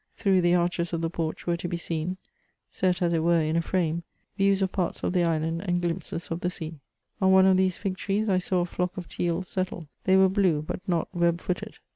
Through the arches of the porch were to be seen, set as it were in a frame, views of parts of the island and glimpses of the sea* On one of these 6g trees I saw a flock of teals settle ; they were blue, but not web footed.